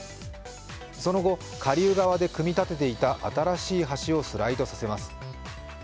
その後、下流側で組み立てていた新しい橋をスライドさせます。